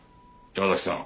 山崎さん！